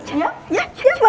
ya ya ya banget ya